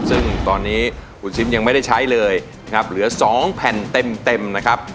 ซึ่งตอนนี้คุณซิมยังไม่ได้ใช้เลยนะครับเหลือ๒แผ่นเต็มนะครับ